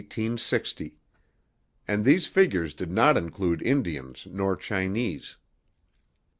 And these figures did not include Indians nor Chinese.